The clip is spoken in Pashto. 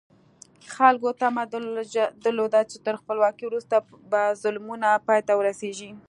خلکو تمه درلوده چې تر خپلواکۍ وروسته به ظلمونه پای ته ورسېږي.